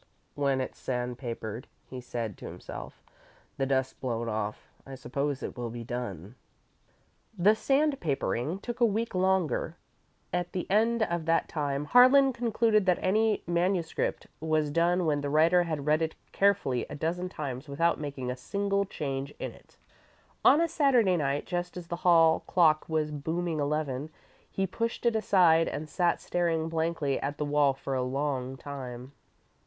"When it's sandpapered," he said to himself, "and the dust blown off, I suppose it will be done." The "sandpapering" took a week longer. At the end of that time, Harlan concluded that any manuscript was done when the writer had read it carefully a dozen times without making a single change in it. On a Saturday night, just as the hall clock was booming eleven, he pushed it aside, and sat staring blankly at the wall for a long time.